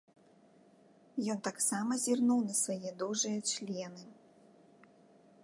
Ён таксама зірнуў на свае дужыя члены.